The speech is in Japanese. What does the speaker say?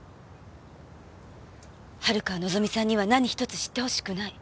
春川望さんには何一つ知ってほしくない。